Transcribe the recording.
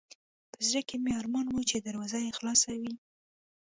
په زړه کې مې ارمان و چې دروازه یې خلاصه وای.